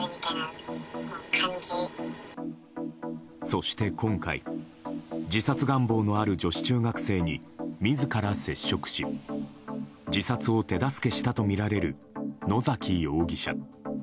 そして、今回自殺願望のある女子中学生に自ら接触し自殺を手助けしたとみられる野崎容疑者。